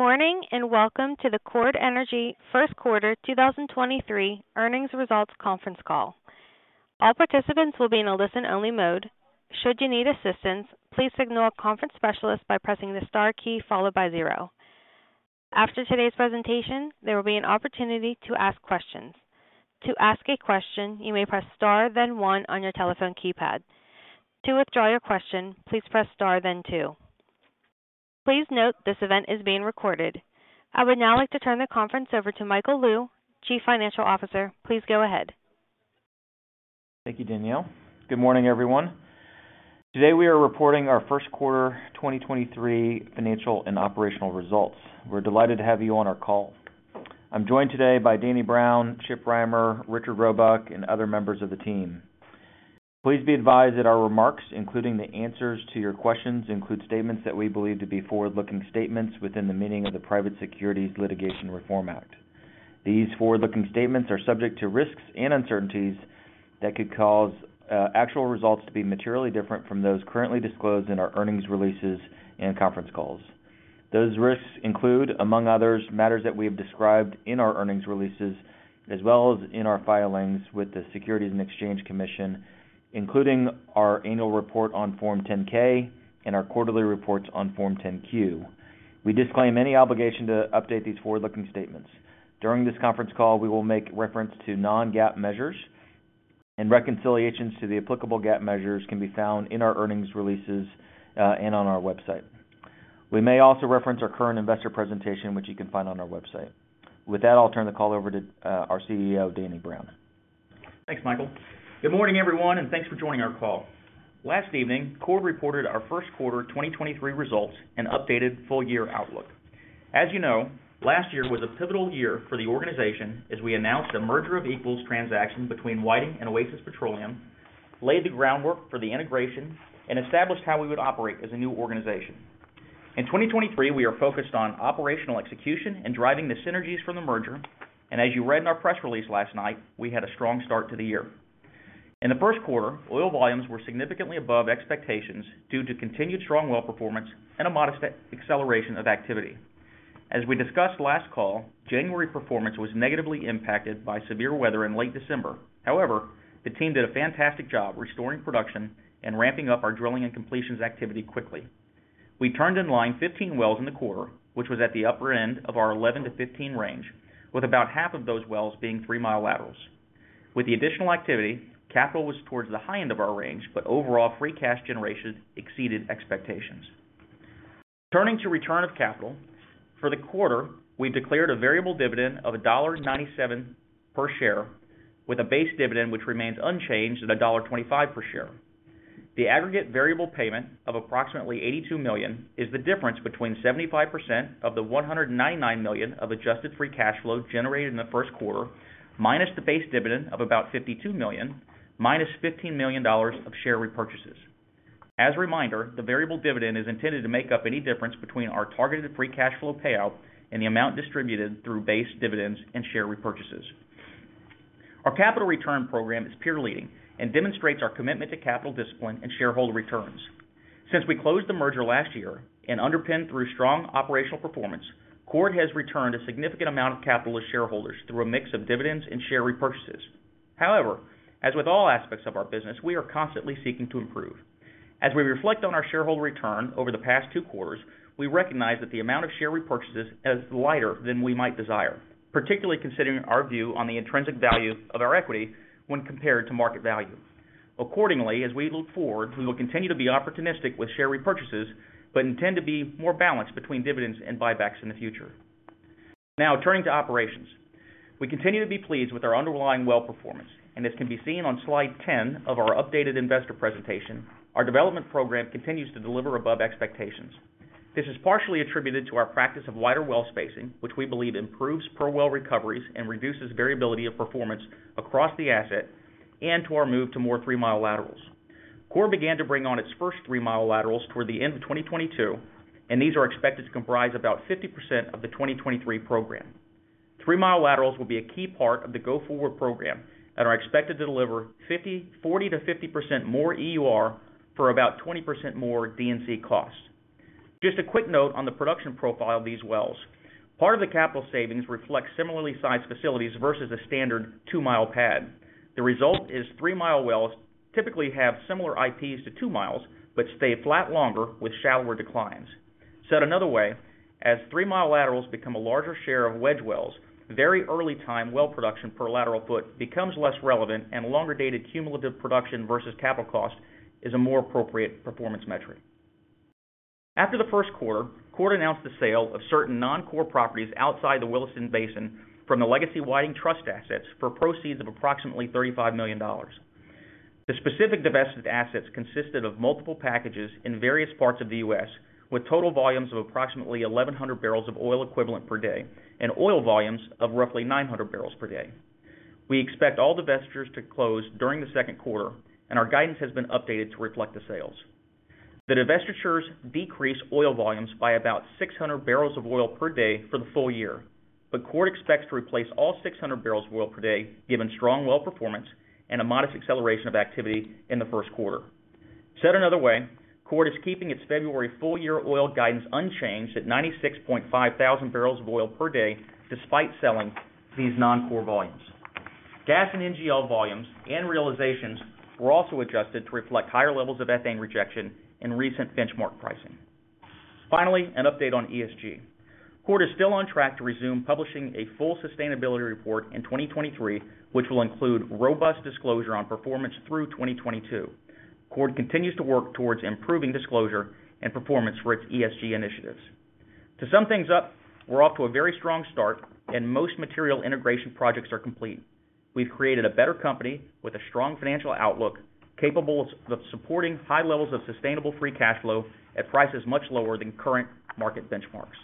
Good morning, and welcome to the Chord Energy 1st quarter 2023 earnings results conference call. All participants will be in a listen-only mode. Should you need assistance, please signal a conference specialist by pressing the star key followed by 0. After today's presentation, there will be an opportunity to ask questions. To ask a question, you may press Star, then 1 on your telephone keypad. To withdraw your question, please press Star, then 2. Please note this event is being recorded. I would now like to turn the conference over to Michael Lou, Chief Financial Officer. Please go ahead. Thank you, Danielle. Good morning, everyone. Today, we are reporting our first quarter 2023 financial and operational results. We're delighted to have you on our call. I'm joined today by Daniel Brown, Chip Rimer, Richard Robuck, and other members of the team. Please be advised that our remarks, including the answers to your questions, include statements that we believe to be forward-looking statements within the meaning of the Private Securities Litigation Reform Act. These forward-looking statements are subject to risks and uncertainties that could cause actual results to be materially different from those currently disclosed in our earnings releases and conference calls. Those risks include, among others, matters that we have described in our earnings releases, as well as in our filings with the Securities and Exchange Commission, including our annual report on Form 10-K and our quarterly reports on Form 10-Q. We disclaim any obligation to update these forward-looking statements. During this conference call, we will make reference to non-GAAP measures and reconciliations to the applicable GAAP measures can be found in our earnings releases, and on our website. We may also reference our current investor presentation, which you can find on our website. With that, I'll turn the call over to our CEO, Daniel Brown. Thanks, Michael Lou. Good morning, everyone, and thanks for joining our call. Last evening, Chord reported our first quarter 2023 results and updated full-year outlook. Last year was a pivotal year for the organization, as we announced a merger of equals transaction between Whiting and Oasis Petroleum, laid the groundwork for the integration, and established how we would operate as a new organization. In 2023, we are focused on operational execution and driving the synergies from the merger. As you read in our press release last night, we had a strong start to the year. In the first quarter, oil volumes were significantly above expectations due to continued strong well performance and a modest acceleration of activity. As we discussed last call, January performance was negatively impacted by severe weather in late December. The team did a fantastic job restoring production and ramping up our drilling and completions activity quickly. We turned in line 15 wells in the quarter, which was at the upper end of our 11-15 range, with about half of those wells being 3-mile laterals. With the additional activity, capital was towards the high end of our range, but overall, free cash generation exceeded expectations. Turning to return of capital, for the quarter, we declared a variable dividend of $1.97 per share, with a base dividend which remains unchanged at $1.25 per share. The aggregate variable payment of approximately $82 million is the difference between 75% of the $199 million of adjusted free cash flow generated in the first quarter, minus the base dividend of about $52 million, minus $15 million of share repurchases. As a reminder, the variable dividend is intended to make up any difference between our targeted free cash flow payout and the amount distributed through base dividends and share repurchases. Our capital return program is peer leading and demonstrates our commitment to capital discipline and shareholder returns. Since we closed the merger last year and underpinned through strong operational performance, Chord has returned a significant amount of capital to shareholders through a mix of dividends and share repurchases. However, as with all aspects of our business, we are constantly seeking to improve. As we reflect on our shareholder return over the past two quarters, we recognize that the amount of share repurchases is lighter than we might desire, particularly considering our view on the intrinsic value of our equity when compared to market value. As we look forward, we will continue to be opportunistic with share repurchases, but intend to be more balanced between dividends and buybacks in the future. Turning to operations. We continue to be pleased with our underlying well performance, and as can be seen on slide 10 of our updated investor presentation, our development program continues to deliver above expectations. This is partially attributed to our practice of wider well spacing, which we believe improves per well recoveries and reduces variability of performance across the asset and to our move to more three-mile laterals. Chord began to bring on its first three-mile laterals toward the end of 2022, and these are expected to comprise about 50% of the 2023 program. 3-mile laterals will be a key part of the go-forward program and are expected to deliver 40%-50% more EUR for about 20% more D&C cost. Just a quick note on the production profile of these wells. Part of the capital savings reflects similarly sized facilities versus a standard 2-mile pad. The result is 3-mile wells typically have similar IPs to 2 miles but stay flat longer with shallower declines. Said another way, as 3-mile laterals become a larger share of wedge wells, very early-time well production per lateral foot becomes less relevant and longer-dated cumulative production versus capital cost is a more appropriate performance metric. After the first quarter, Chord announced the sale of certain non-core properties outside the Williston Basin from the legacy Whiting Trust assets for proceeds of approximately $35 million. The specific divested assets consisted of multiple packages in various parts of the US, with total volumes of approximately 1,100 barrels of oil equivalent per day and oil volumes of roughly 900 barrels per day. We expect all divestitures to close during the second quarter, and our guidance has been updated to reflect the sales. The divestitures decrease oil volumes by about 600 barrels of oil per day for the full year. Chord expects to replace all 600 barrels of oil per day, given strong well performance and a modest acceleration of activity in the first quarter. Said another way, Chord is keeping its February full year oil guidance unchanged at 96.5 thousand barrels of oil per day despite selling these non-core volumes. Gas and NGL volumes and realizations were also adjusted to reflect higher levels of ethane rejection and recent benchmark pricing. Finally, an update on ESG. Chord Energy is still on track to resume publishing a full sustainability report in 2023, which will include robust disclosure on performance through 2022. Chord Energy continues to work towards improving disclosure and performance for its ESG initiatives. To sum things up, we're off to a very strong start and most material integration projects are complete. We've created a better company with a strong financial outlook, capable of supporting high levels of sustainable free cash flow at prices much lower than current market benchmarks.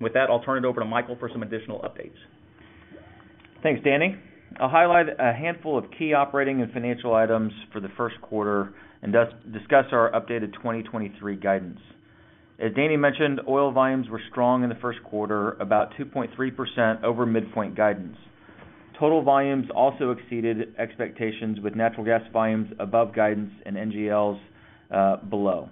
With that, I'll turn it over to Michael Lou for some additional updates. Thanks, Daniel Brown. I'll highlight a handful of key operating and financial items for the first quarter and discuss our updated 2023 guidance. As Daniel Brown mentioned, oil volumes were strong in the first quarter, about 2.3% over midpoint guidance. Total volumes also exceeded expectations, with natural gas volumes above guidance and NGLs below.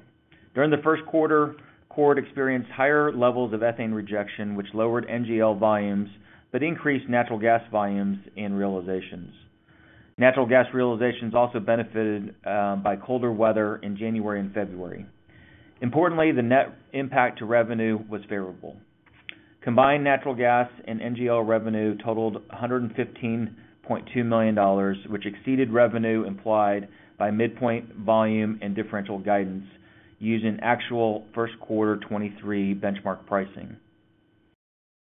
During the first quarter, Chord Energy experienced higher levels of ethane rejection, which lowered NGL volumes but increased natural gas volumes and realizations. Natural gas realizations also benefited by colder weather in January and February. Importantly, the net impact to revenue was favorable. Combined natural gas and NGL revenue totaled $115.2 million, which exceeded revenue implied by midpoint volume and differential guidance using actual first quarter 23 benchmark pricing.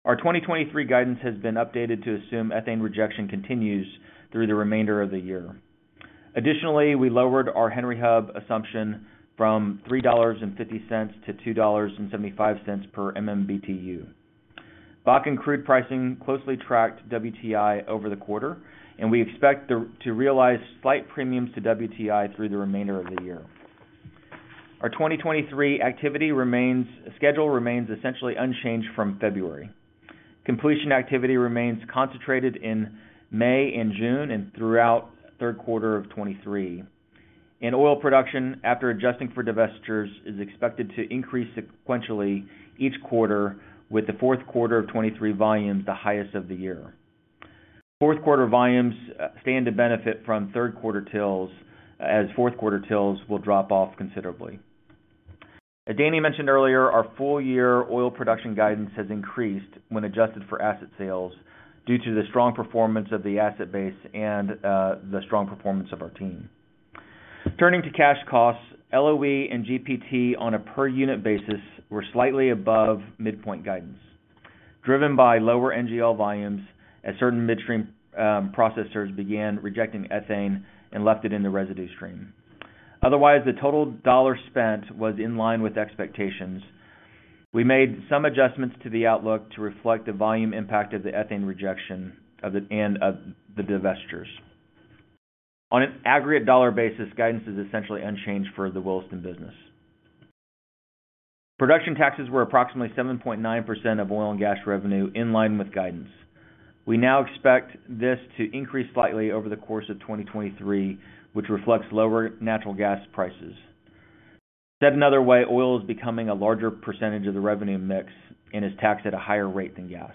Our 2023 guidance has been updated to assume ethane rejection continues through the remainder of the year. Additionally, we lowered our Henry Hub assumption from $3.50 to $2.75 per MMBTU. Bakken crude pricing closely tracked WTI over the quarter, we expect to realize slight premiums to WTI through the remainder of the year. Our 2023 activity schedule remains essentially unchanged from February. Completion activity remains concentrated in May and June and throughout third quarter of 2023. Oil production, after adjusting for divestitures, is expected to increase sequentially each quarter, with the fourth quarter of 2023 volumes the highest of the year. Fourth quarter volumes stand to benefit from third quarter tills, as fourth quarter tills will drop off considerably. As Daniel Brown mentioned earlier, our full-year oil production guidance has increased when adjusted for asset sales due to the strong performance of the asset base and the strong performance of our team. Turning to cash costs, LOE and GPT on a per-unit basis were slightly above midpoint guidance, driven by lower NGL volumes as certain midstream processors began rejecting ethane and left it in the residue stream. The total dollar spent was in line with expectations. We made some adjustments to the outlook to reflect the volume impact of the ethane rejection and of the divestitures. On an aggregate dollar basis, guidance is essentially unchanged for the Williston business. Production taxes were approximately 7.9% of oil and gas revenue in line with guidance. We now expect this to increase slightly over the course of 2023, which reflects lower natural gas prices. Said another way, oil is becoming a larger percentage of the revenue mix and is taxed at a higher rate than gas.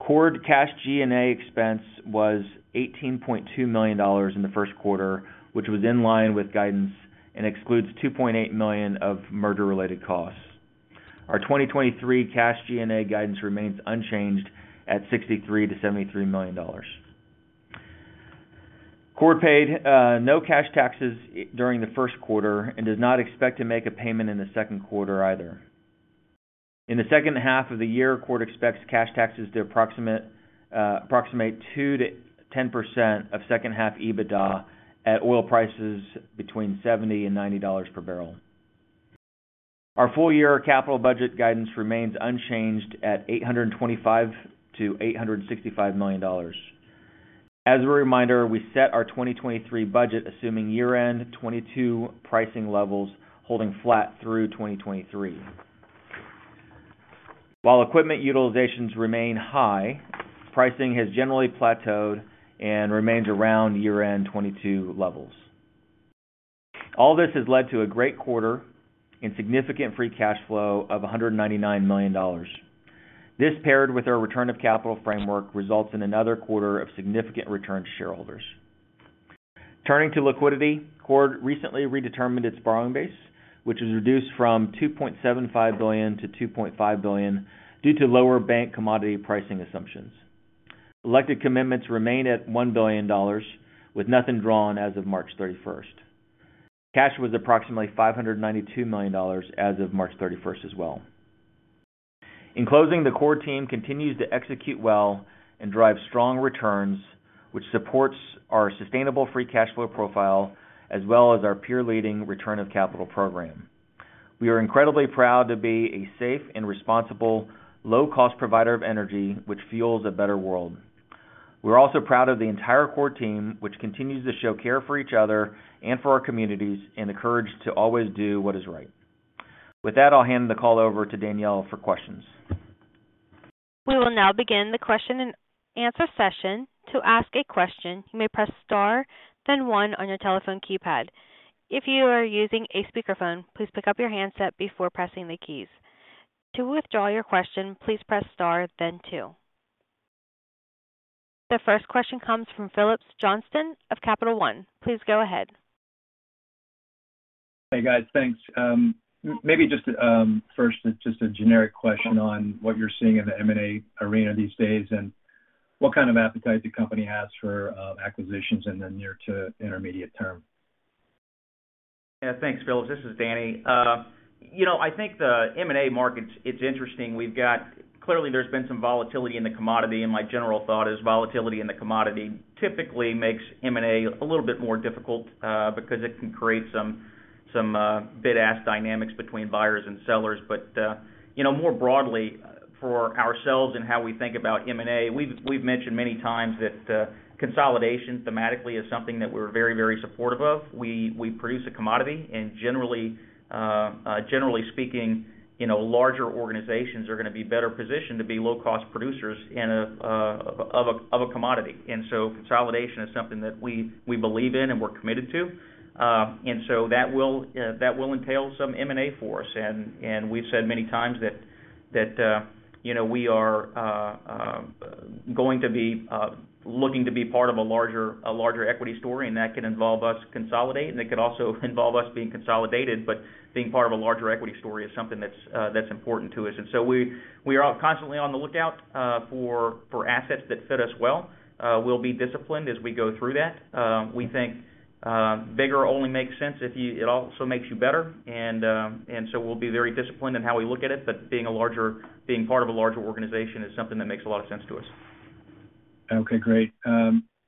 Chord cash G&A expense was $18.2 million in the first quarter, which was in line with guidance and excludes $2.8 million of merger-related costs. Our 2023 cash G&A guidance remains unchanged at $63 million-$73 million. Chord paid no cash taxes during the first quarter and does not expect to make a payment in the second quarter either. In the second half of the year, Chord expects cash taxes to approximate 2%-10% of second half EBITDA at oil prices between $70 and $90 per barrel. Our full year capital budget guidance remains unchanged at $825 million-$865 million. As a reminder, we set our 2023 budget assuming year-end 2022 pricing levels holding flat through 2023. While equipment utilizations remain high, pricing has generally plateaued and remains around year-end 2022 levels. All this has led to a great quarter and significant free cash flow of $199 million. This, paired with our return of capital framework, results in another quarter of significant return to shareholders. Turning to liquidity, Chord Energy recently redetermined its borrowing base, which was reduced from $2.75 billion to $2.5 billion due to lower bank commodity pricing assumptions. Elected commitments remain at $1 billion with nothing drawn as of March thirty-first. Cash was approximately $592 million as of March thirty-first as well. In closing, the Chord Energy team continues to execute well and drive strong returns, which supports our sustainable free cash flow profile as well as our peer-leading return of capital program. We are incredibly proud to be a safe and responsible low-cost provider of energy, which fuels a better world. We're also proud of the entire Chord team, which continues to show care for each other and for our communities, and the courage to always do what is right. With that, I'll hand the call over to Danielle for questions. We will now begin the question and answer session. To ask a question, you may press star, then 1 on your telephone keypad. If you are using a speakerphone, please pick up your handset before pressing the keys. To withdraw your question, please press star then 2. The first question comes from Phillips Johnston of Capital One. Please go ahead. Hey, guys. Thanks. Maybe just, first, just a generic question on what you're seeing in the M&A arena these days and what kind of appetite the company has for acquisitions in the near to intermediate term. Yeah. Thanks, Phillips Johnston. This is Daniel Brown.I think the M&A market, it's interesting. Clearly, there's been some volatility in the commodity, and my general thought is volatility in the commodity typically makes M&A a little bit more difficult, because it can create some bid-ask dynamics between buyers and sellers. More broadly for ourselves and how we think about M&A, we've mentioned many times that, consolidation thematically is something that we're very, very supportive of. We, we produce a commodity, and generally speaking larger organizations are going to be better positioned to be low-cost producers of a commodity. Consolidation is something that we believe in and we're committed to. That will entail some M&A for us. We've said many times that we are going to be looking to be part of a larger equity story, and that can involve us consolidate, and it could also involve us being consolidated, but being part of a larger equity story is something that's important to us. We are constantly on the lookout for assets that fit us well. We'll be disciplined as we go through that. We think bigger only makes sense if it also makes you better. We'll be very disciplined in how we look at it. Being part of a larger organization is something that makes a lot of sense to us. Okay, great.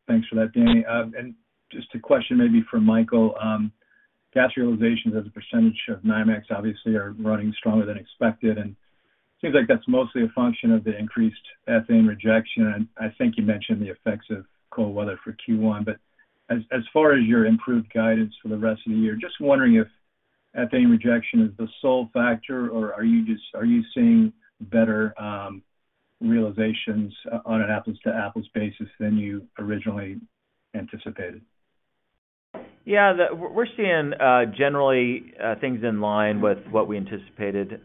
Thanks for that, Daniel Brown. Just a question maybe for Michael Lou. Gas realizations as a percentage of NYMEX obviously are running stronger than expected. It seems like that's mostly a function of the increased ethane rejection. I think you mentioned the effects of cold weather for Q1. As far as your improved guidance for the rest of the year, just wondering if ethane rejection is the sole factor, or are you seeing better realizations on an apples-to-apples basis than you originally anticipated? Yeah. We're seeing generally, things in line with what we anticipated.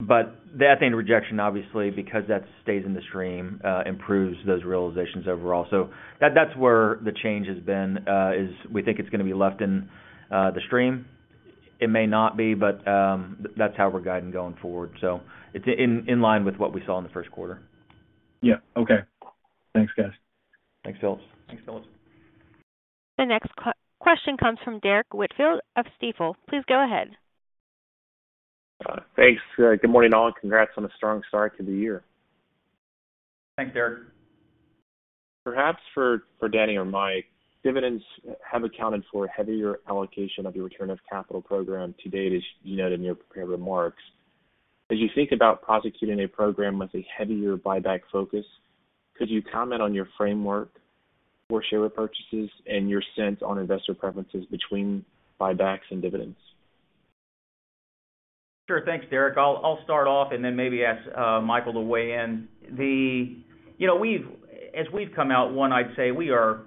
The ethane rejection, obviously, because that stays in the stream, improves those realizations overall. That's where the change has been. We think it's going to be left in the stream. It may not be, but, that's how we're guiding going forward. It's in line with what we saw in the first quarter. Yeah. Okay. Thanks, guys. Thanks, Phillips Johnston. Thanks, Phillips Johnston. The next question comes from Derrick Whitfield of Stifel. Please go ahead. Thanks. Good morning, all. Congrats on a strong start to the year. Thanks, Derrick Whitfield. Perhaps for Daniel Brown or Michael Lou, dividends have accounted for heavier allocation of your return of capital program to date, as you noted in your prepared remarks. As you think about prosecuting a program with a heavier buyback focus, could you comment on your framework for share repurchases and your sense on investor preferences between buybacks and dividends? Sure. Thanks, Derrick Whitfield. I'll start off and then maybe ask Michael Lou to weigh in. We've come out, one, I'd say we are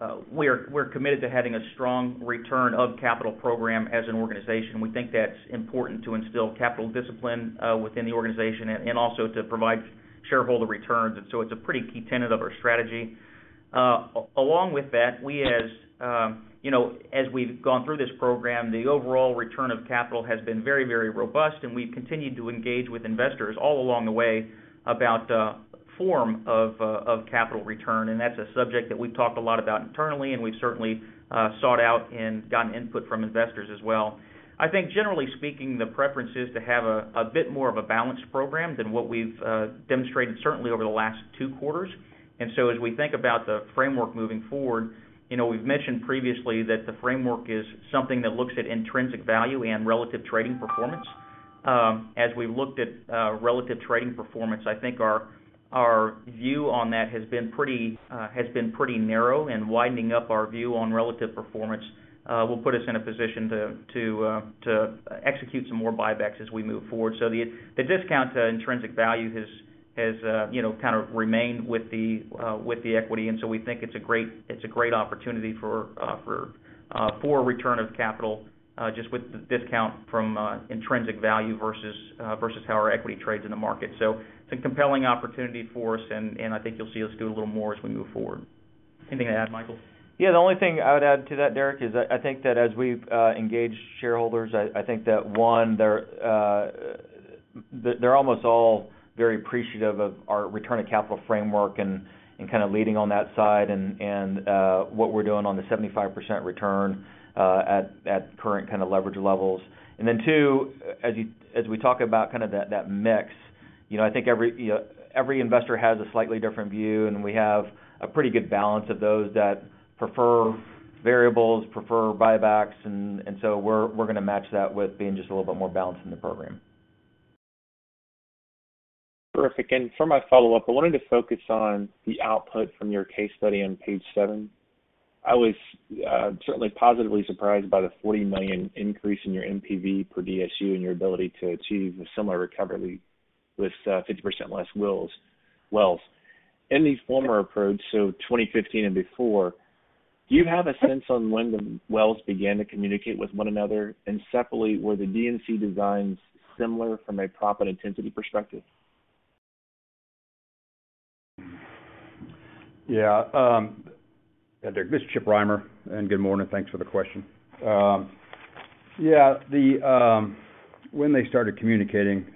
committed to having a strong return of capital program as an organization. We think that's important to instill capital discipline within the organization and also to provide shareholder returns. It's a pretty key tenet of our strategy. Along with that, we as we've gone through this program, the overall return of capital has been very, very robust, and we've continued to engage with investors all along the way about the form of capital return. That's a subject that we've talked a lot about internally, and we've certainly sought out and gotten input from investors as well. I think generally speaking, the preference is to have a bit more of a balanced program than what we've demonstrated certainly over the last two quarters. As we think about the framework moving forward we've mentioned previously that the framework is something that looks at intrinsic value and relative trading performance. As we've looked at relative trading performance, I think our view on that has been pretty has been pretty narrow, and widening up our view on relative performance will put us in a position to execute some more buybacks as we move forward. The discount to intrinsic value has remained with the equity, and so we think it's a great, it's a great opportunity for return of capital, just with the discount from intrinsic value versus how our equity trades in the market. It's a compelling opportunity for us, and I think you'll see us do a little more as we move forward. Anything to add, Michael Lou? Yeah. The only thing I would add to that, Derrick, is I think that as we've engaged shareholders, I think that, one, they're almost all very appreciative of our return of capital framework and kind of leading on that side and what we're doing on the 75% return at current kind of leverage levels. Then two, as we talk about kind of that mix, I think every investor has a slightly different view, and we have a pretty good balance of those that prefer variables, prefer buybacks, and so we're going to match that with being just a little bit more balanced in the program. Terrific. For my follow-up, I wanted to focus on the output from your case study on page 7. I was certainly positively surprised by the $40 million increase in your NPV per DSU and your ability to achieve a similar recovery with 50% less wells. In the former approach, so 2015 and before, do you have a sense on when the wells began to communicate with one another? Separately, were the D&C designs similar from a proppant intensity perspective? Yeah. This is Chip Rimer, good morning. Thanks for the question. Yeah, when they started communicating,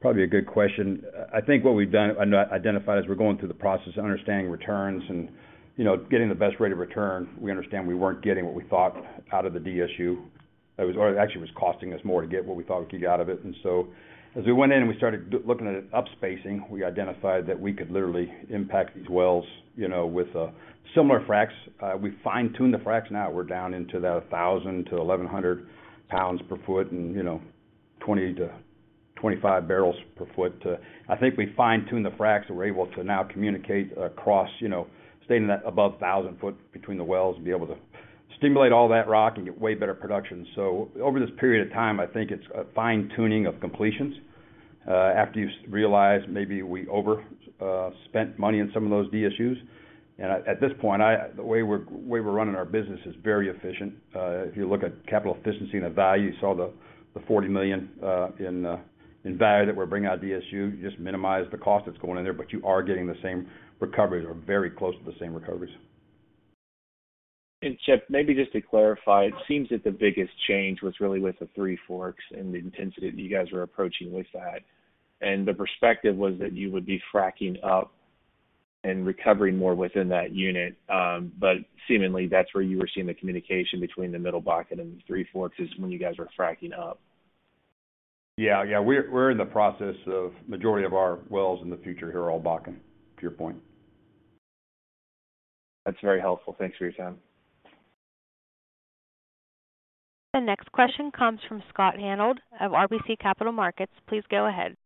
probably a good question. I think what we've done, identified as we're going through the process of understanding returns and, getting the best rate of return, we understand we weren't getting what we thought out of the DSU. Actually, it was costing us more to get what we thought we could get out of it. As we went in, we started looking at it up-spacing. We identified that we could literally impact these wells, with similar fracs. We fine-tuned the fracs. Now we're down into the 1,000 to 1,100 pounds per foot and 20 to 25 barrels per foot. I think we fine-tuned the fracs. We're able to now communicate across staying in that above 1,000 foot between the wells and be able to stimulate all that rock and get way better production. Over this period of time, I think it's a fine-tuning of completions, after you realize maybe we overspent money on some of those DSUs. At this point, the way we're running our business is very efficient. If you look at capital efficiency and the value, you saw the $40 million in value that we're bringing out of DSU. You just minimize the cost that's going in there, but you are getting the same recoveries or very close to the same recoveries. Chip Rimer, maybe just to clarify, it seems that the biggest change was really with the Three Forks and the intensity that you guys were approaching with that. The perspective was that you would be fracking up and recovering more within that unit. Seemingly, that's where you were seeing the communication between the Middle Bakken and the Three Forks is when you guys are fracking up. Yeah. Yeah. We're in the process of majority of our wells in the future here are all Bakken, to your point. That's very helpful. Thanks for your time. The next question comes from Scott Hanold of RBC Capital Markets. Please go ahead.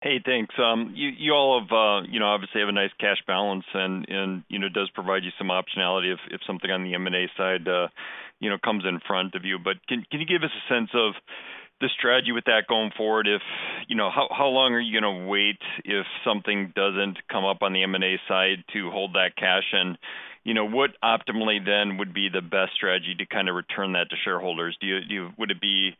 Hey, thanks. You, you all have obviously have a nice cash balance and it does provide you some optionality if something on the M&A side comes in front of you. Can, can you give us a sense of the strategy with that going forward? If how long are you going to wait if something doesn't come up on the M&A side to hold that cash? What optimally then would be the best strategy to kind of return that to shareholders? Would it be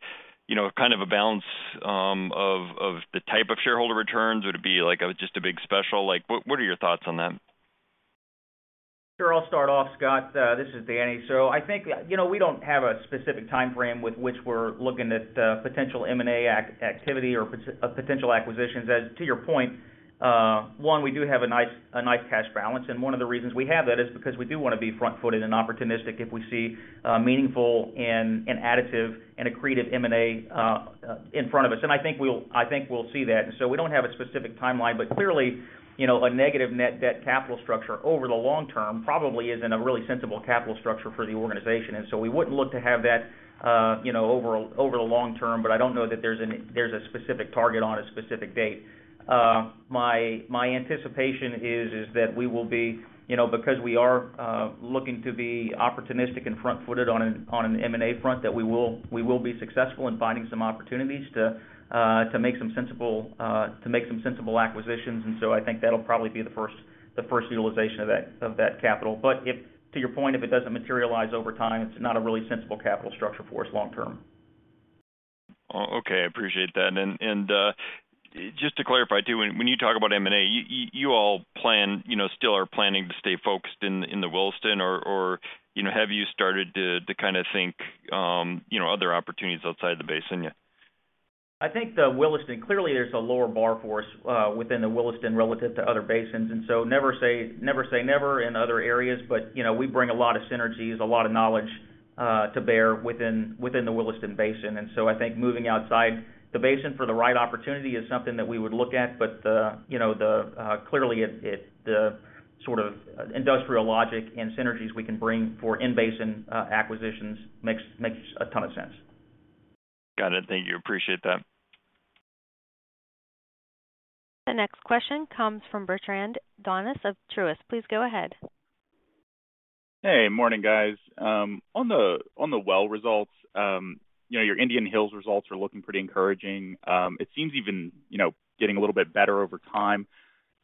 kind of a balance, of the type of shareholder returns? Would it be like a, just a big special? Like, what are your thoughts on that? Sure. I'll start off, Scott Hanold. This is Daniel Brown. I think we don't have a specific timeframe with which we're looking at potential M&A activity or potential acquisitions. As to your point, one, we do have a nice cash balance, and one of the reasons we have that is because we do want to be front-footed and opportunistic if we see meaningful and additive and accretive M&A in front of us. I think we'll see that. We don't have a specific timeline, but clearly a negative net debt capital structure over the long term probably isn't a really sensible capital structure for the organization. we wouldn't look to have that over the long term, but I don't know that there's a specific target on a specific date. My anticipation is that we will be because we are looking to be opportunistic and front-footed on an M&A front, that we will be successful in finding some opportunities to make some sensible acquisitions. I think that'll probably be the first utilization of that capital. If, to your point, if it doesn't materialize over time, it's not a really sensible capital structure for us long term. Oh, okay. I appreciate that. Just to clarify too, when you talk about M&A, you all plan still are planning to stay focused in the Williston or have you started to kinda think, other opportunities outside the basin yet? I think the Williston, clearly there's a lower bar for us within the Williston relative to other basins. Never say never in other areas, but we bring a lot of synergies, a lot of knowledge to bear within the Williston Basin. I think moving outside the basin for the right opportunity is something that we would look at. The clearly it, the sort of industrial logic and synergies we can bring for in-basin acquisitions makes a ton of sense. Got it. Thank you. Appreciate that. The next question comes from Bertrand Donnes of Truist. Please go ahead. Hey. Morning, guys. On the, on the well results your Indian Hills results are looking pretty encouraging. It seems even getting a little bit better over time.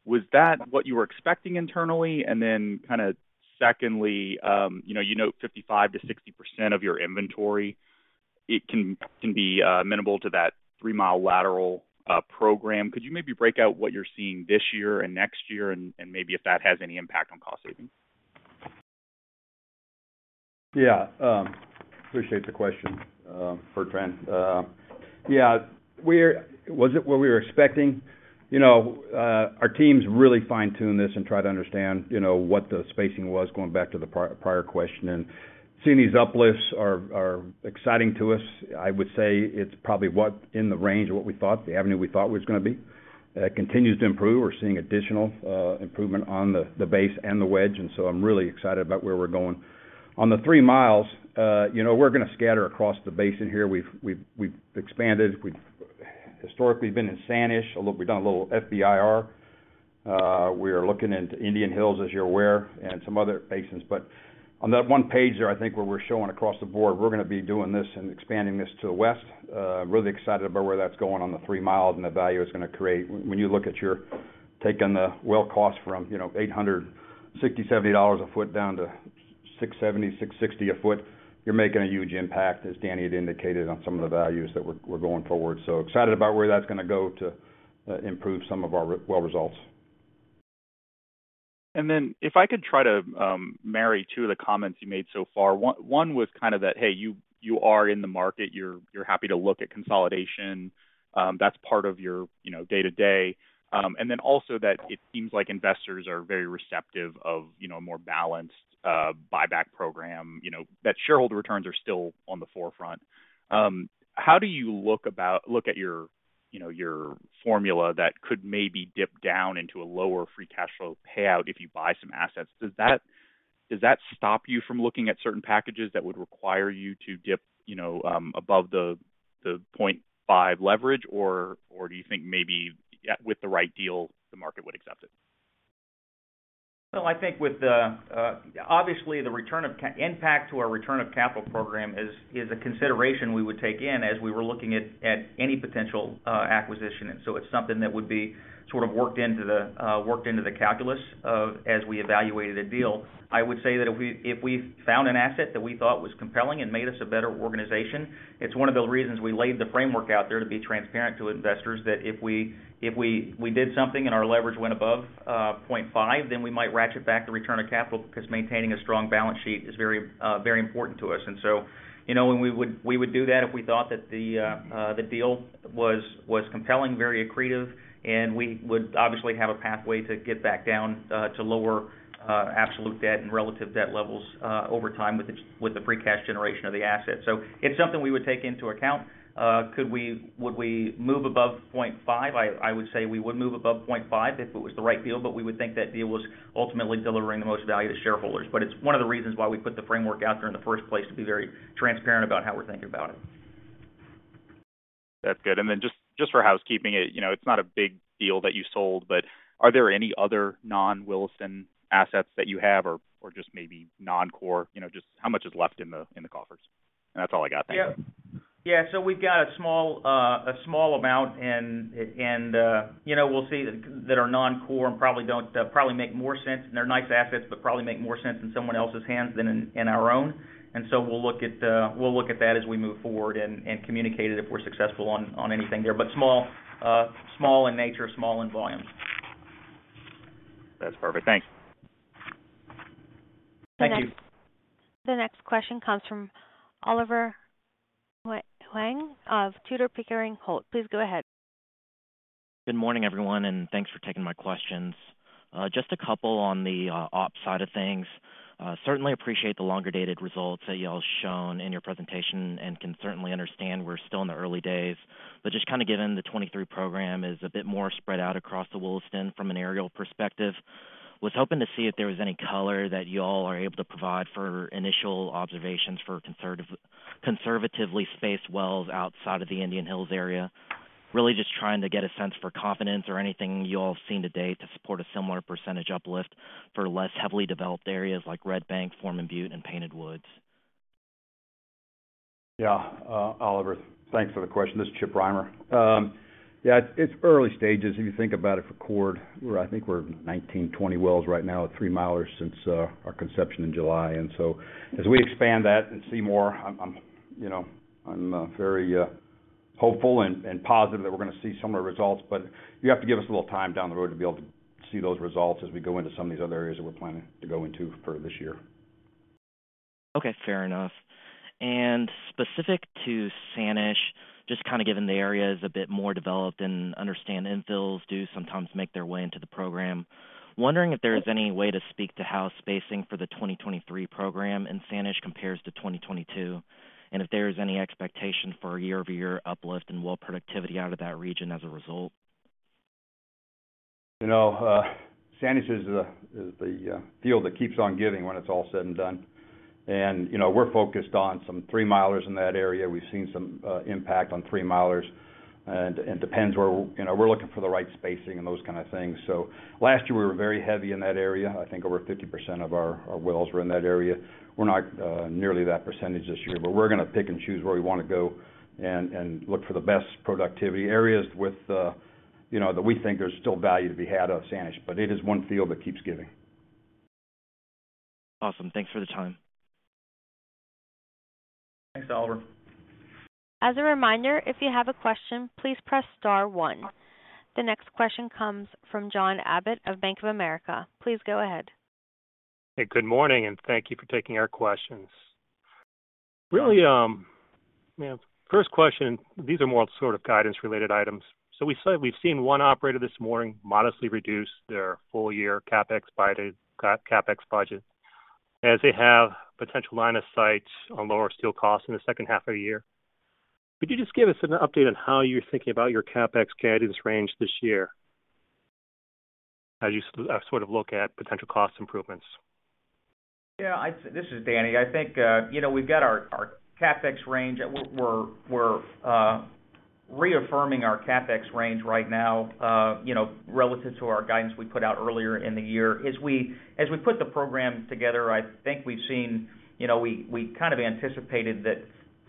Was that what you were expecting internally? Kinda secondly you note 55%-60% of your inventory, it can be minimal to that 3-mile lateral program. Could you maybe break out what you're seeing this year and next year and maybe if that has any impact on cost savings? Yeah. Appreciate the question, Bertrand Donnes. Yeah. Was it what we were expecting? Our teams really fine-tune this and try to understand, what the spacing was, going back to the prior question. Seeing these uplifts are exciting to us. I would say it's probably what in the range of what we thought, the avenue we thought it was going to be. It continues to improve. We're seeing additional improvement on the base and the wedge. I'm really excited about where we're going. On the 3 miles, we're going to scatter across the basin here. We've expanded, we've historically been in Sanish, although we've done a little FBIR. We are looking into Indian Hills, as you're aware, and some other basins. On that one page there, I think where we're showing across the board, we're going to be doing this and expanding this to the west. Really excited about where that's going on the 3 miles and the value it's going to create. When you look at your taking the well cost from $860-$70 a foot down to $670-$660 a foot, you're making a huge impact, as Daniel had indicated, on some of the values that we're going forward. Excited about where that's going to go to improve some of our well results. If I could try to marry two of the comments you made so far. One was kind of that, hey, you are in the market, you're happy to look at consolidation, that's part of your, day-to-day. Also that it seems like investors are very receptive of a more balanced buyback program that shareholder returns are still on the forefront. How do you look at your your formula that could maybe dip down into a lower free cash flow payout if you buy some assets? Does that stop you from looking at certain packages that would require you to dip bove the 0.5 leverage or do you think maybe with the right deal, the market would accept it? Well, I think with the obviously, the impact to our return of capital program is a consideration we would take in as we were looking at any potential acquisition. It's something that would be sort of worked into the worked into the calculus of as we evaluated a deal. I would say that if we found an asset that we thought was compelling and made us a better organization, it's one of the reasons we laid the framework out there to be transparent to investors, that if we did something and our leverage went above 0.5, then we might ratchet back the return of capital because maintaining a strong balance sheet is very important to us. We would do that if we thought that the deal was compelling, very accretive, and we would obviously have a pathway to get back down to lower absolute debt and relative debt levels over time with the free cash generation of the asset. It's something we would take into account. Would we move above 0.5? I would say we would move above 0.5 if it was the right deal, but we would think that deal was ultimately delivering the most value to shareholders. It's one of the reasons why we put the framework out there in the first place, to be very transparent about how we're thinking about it. That's good. Just, just for housekeeping it's not a big deal that you sold, but are there any other non-Williston assets that you have or just maybe non-core? How much is left in the, in the coffers? That's all I got, thanks. Yeah. Yeah. We've got a small, a small amount and we'll see that are non-core and probably make more sense, and they're nice assets, but probably make more sense in someone else's hands than in our own. We'll look at that as we move forward and communicate it if we're successful on anything there. Small in nature, small in volume. That's perfect. Thanks. Thank you. The next question comes from Oliver Huang of Tudor, Pickering Holt. Please go ahead. Good morning, everyone, and thanks for taking my questions. Just a couple on the op side of things. Certainly appreciate the longer-dated results that y'all shown in your presentation and can certainly understand we're still in the early days. Just kinda given the 2023 program is a bit more spread out across the Williston from an aerial perspective, was hoping to see if there was any color that y'all are able to provide for initial observations for conservatively spaced wells outside of the Indian Hills area. Really just trying to get a sense for confidence or anything y'all have seen to date to support a similar percentage uplift for less heavily developed areas like Red Bank, Foreman Butte, and Painted Woods. Oliver Huang, thanks for the question. This is Chip Rimer. It's early stages, if you think about it, for Chord. I think we're 19, 20 wells right now at 3 milers since our conception in July. As we expand that and see more, I'm very hopeful and positive that we're going to see similar results. You have to give us a little time down the road to be able to see those results as we go into some of these other areas that we're planning to go into for this year. Okay, fair enough. Specific to Sanish, just kind of given the area is a bit more developed and understand infills do sometimes make their way into the program. Wondering if there is any way to speak to how spacing for the 2023 program in Sanish compares to 2022, and if there is any expectation for a year-over-year uplift in well productivity out of that region as a result. Sanish is the field that keeps on giving when it's all said and done. We're focused on some three milers in that area. We've seen some impact on three milers. It depends where. We're looking for the right spacing and those kind of things. Last year, we were very heavy in that area. I think over 50% of our wells were in that area. We're not nearly that percentage this year, but we're going to pick and choose where we want to go and look for the best productivity areas with that we think there's still value to be had out of Sanish. It is one field that keeps giving. Awesome. Thanks for the time. Thanks, Oliver Huang. As a reminder, if you have a question, please press star one. The next question comes from John Abbott of Bank of America. Please go ahead. Hey, good morning, and thank you for taking our questions. Really, first question, these are more sort of guidance-related items. We said we've seen one operator this morning modestly reduce their full year CapEx budget, as they have potential line of sight on lower steel costs in the second half of the year. Could you just give us an update on how you're thinking about your CapEx guidance range this year? How you sort of look at potential cost improvements. Yeah, This is Daniel Brown. I think we've got our CapEx range, we're reaffirming our CapEx range right now relative to our guidance we put out earlier in the year. As we put the program together, I think we've seen we kind of anticipated that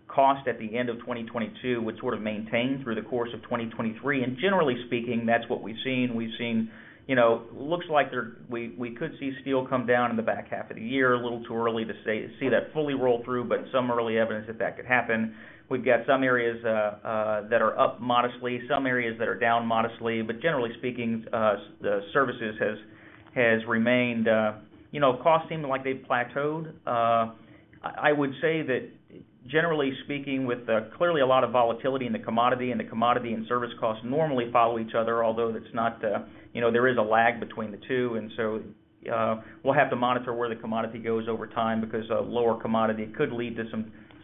cost at the end of 2022 would sort of maintain through the course of 2023. Generally speaking, that's what we've seen. We've seen looks like we could see steel come down in the back half of the year. A little too early to see that fully roll through, but some early evidence that that could happen. We've got some areas that are up modestly, some areas that are down modestly. Generally speaking, the services has remained costs seem like they've plateaued. I would say that generally speaking, with clearly a lot of volatility in the commodity, and the commodity and service costs normally follow each other, although that's not there is a lag between the two. We'll have to monitor where the commodity goes over time because a lower commodity could lead to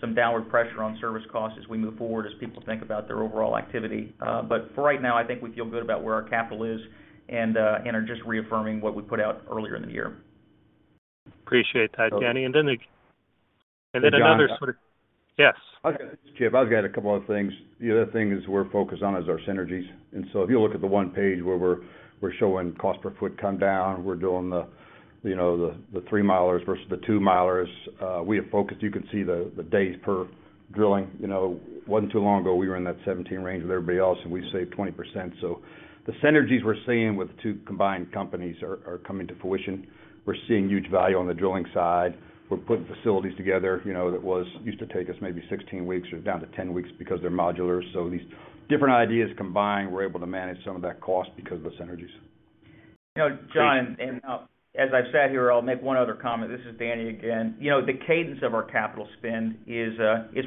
some downward pressure on service costs as we move forward, as people think about their overall activity. For right now, I think we feel good about where our capital is and are just reaffirming what we put out earlier in the year. Appreciate that, Daniel Brown. The... John? Yes. This is Chip Rimer. I've got a couple other things. The other thing is we're focused on is our synergies. If you look at the one page where we're showing cost per foot come down, we're doing the three milers versus the two milers, we have focused. You can see the days per drilling. Wasn't too long ago, we were in that 17 range with everybody else, and we saved 20%. The synergies we're seeing with the two combined companies are coming to fruition. We're seeing huge value on the drilling side. We're putting facilities together that used to take us maybe 16 weeks. We're down to 10 weeks because they're modular. These different ideas combined, we're able to manage some of that cost because of the synergies. John, as I've sat here, I'll make one other comment. This is Daniel Brown again. The cadence of our capital spend is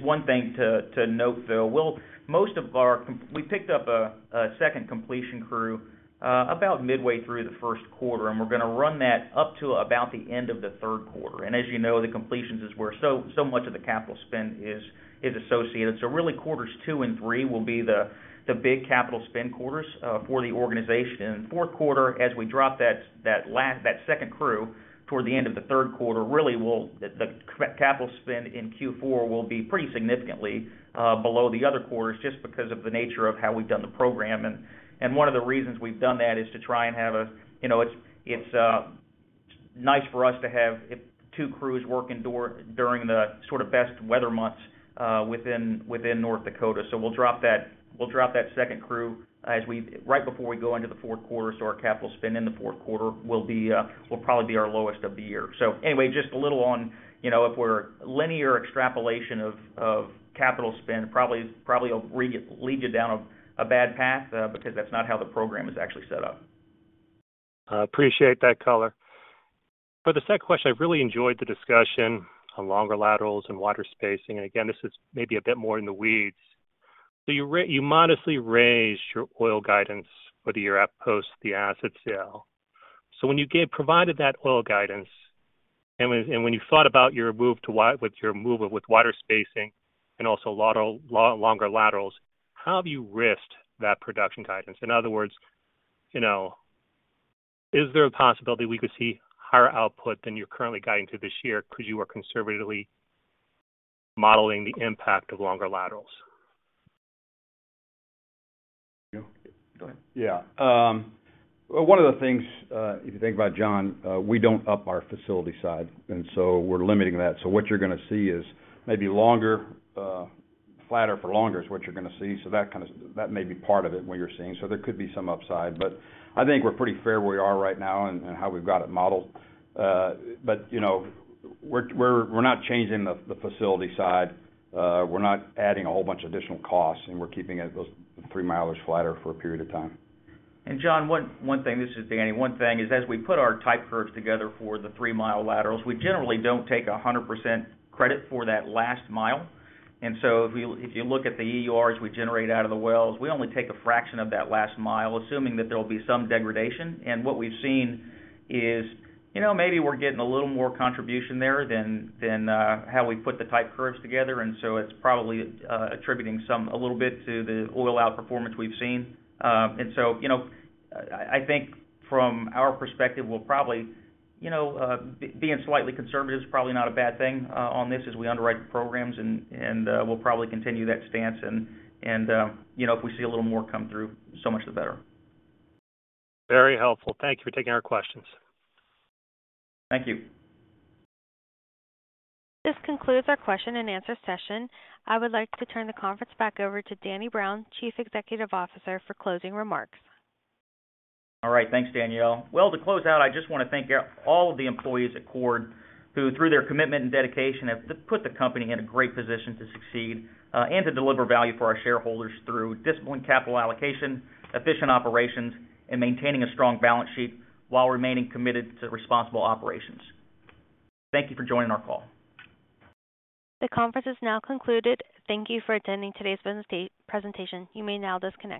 one thing to note, though. We picked up a second completion crew about midway through the first quarter, we're going to run that up to about the end of the third quarter. As you know, the completions is where so much of the capital spend is associated. Really, quarters two and three will be the big capital spend quarters for the organization. Fourth quarter as we drop that last, that second crew toward the end of the third quarter, the capital spend in Q4 will be pretty significantly below the other quarters just because of the nature of how we've done the program. One of the reasons we've done that is to try and have, it's nice for us to have two crews working during the sort of best weather months within North Dakota. We'll drop that second crew right before we go into the fourth quarter. Our capital spend in the fourth quarter will probably be our lowest of the year. Anyway, just a little on if we're linear extrapolation of capital spend, probably will re-lead you down a bad path, because that's not how the program is actually set up. I appreciate that color. For the second question, I've really enjoyed the discussion on longer laterals and water spacing. Again, this is maybe a bit more in the weeds. You modestly raised your oil guidance for the year at post the asset sale. When you provided that oil guidance, and when you thought about your movement with water spacing and also longer laterals, how have you risked that production guidance? In other words is there a possibility we could see higher output than you're currently guiding to this year because you are conservatively modeling the impact of longer laterals? You? Go ahead. Yeah. One of the things, if you think about it, John, we don't up our facility side, we're limiting that. What you're going to see is maybe longer, flatter for longer is what you're going to see. That may be part of it, what you're seeing. There could be some upside, but I think we're pretty fair where we are right now and how we've got it modeled. We're not changing the facility side. We're not adding a whole bunch of additional costs, we're keeping it those 3 milers flatter for a period of time. John, one thing, this is Daniel Brown. One thing is as we put our type curves together for the 3-mile laterals, we generally don't take 100% credit for that last mile. So if you look at the EOR we generate out of the wells, we only take a fraction of that last mile, assuming that there'll be some degradation. What we've seen is maybe we're getting a little more contribution there than how we put the type curves together. So it's probably attributing some, a little bit to the oil outperformance we've seen. So I think from our perspective, we'll probably, being slightly conservative is probably not a bad thing on this as we underwrite the programs, and we'll probably continue that stance. If we see a little more come through, so much the better. Very helpful. Thank you for taking our questions. Thank you. This concludes our question and answer session. I would like to turn the conference back over to Daniel Brown, Chief Executive Officer, for closing remarks. All right. Thanks, Danielle. Well, to close out, I just want to thank all of the employees at Chord who, through their commitment and dedication, have put the company in a great position to succeed and to deliver value for our shareholders through disciplined capital allocation, efficient operations, and maintaining a strong balance sheet while remaining committed to responsible operations. Thank you for joining our call. The conference is now concluded. Thank you for attending today's presentation. You may now disconnect.